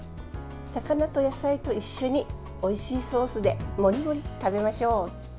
魚と野菜と一緒においしいソースでもりもり食べましょう。